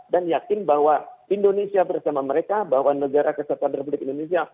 dan yakin bahwa indonesia bersama mereka bahwa negara kesatuan republik indonesia